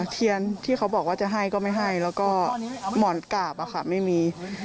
เทียนที่เขาบอกว่าจะให้ก็ไม่ให้แล้วก็หมอนกราบไม่มี